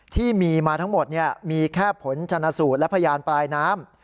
ที่มีมาทั้งหมดมีแค่ผลชนะสูตรและพยานปลายน้ำ